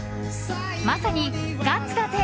まさに、ガッツだぜ！